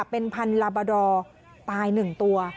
เป็นพันลาบาดอร์ตาย๑ตัว